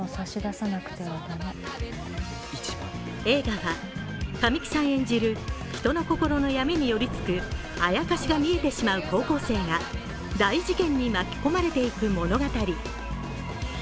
映画は神木さん演じる人の心の闇によりつくアヤカシが見えてしまう高校生が大事件に巻き込まれていく物語。